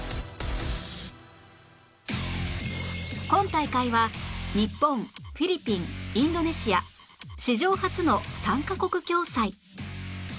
今大会は日本フィリピンインドネシア史上初の３カ国共催